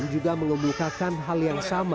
dan juga mengembukakan hal yang sama